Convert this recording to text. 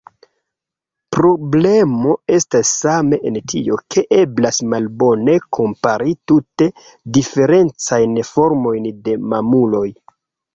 Problemo estas same en tio, ke eblas malbone kompari tute diferencajn formojn de mamuloj.